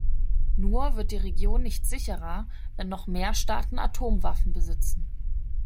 Nur wird die Region nicht sicherer, wenn noch mehr Staaten Atomwaffen besitzen.